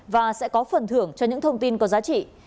và sẽ có phần thưởng cho những thông tin có giá trị